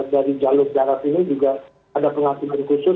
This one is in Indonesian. dari jalur jarak ini juga ada pengaturan khusus